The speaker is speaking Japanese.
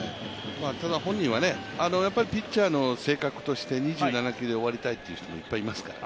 ただ本人はピッチャーの性格として２７球で終わりたいという人もいっぱいいますから。